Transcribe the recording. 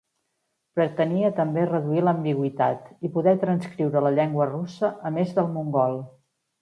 Pretenia també reduir l'ambigüitat, i poder transcriure la llengua russa a més del mongol.